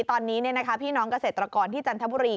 ตอนนี้พี่น้องเกษตรกรที่จันทบุรี